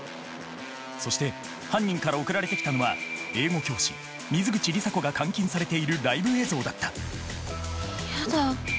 そして犯人から送られてきたのは英語教師水口里紗子が監禁されているライブ映像だったやだ。